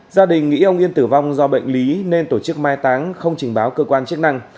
gia đình nghĩ ông yên tử vong do bệnh lý nên tổ chức mai táng không trình báo cơ quan chức năng